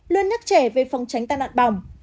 luôn nhắc trẻ về phòng tránh tai nạn bỏng